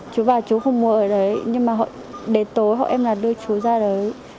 chú bảo chú không mua ở đấy nhưng mà họ đế tối họ em là đưa chú ra đấy